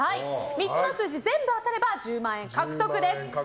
３つの数字全部当てれば１０万円獲得です。